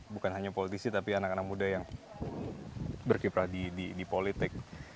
bukan hanya politisi tapi anak anak muda yang berkiprah di politik